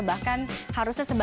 bahkan harusnya sebaliknya